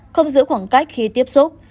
không giữ khoảng cách khi tiếp xúc